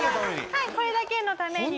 はいこれだけのために。